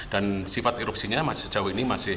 dan sifat erupsinya sejauh ini masih